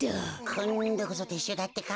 こんどこそてっしゅうだってか。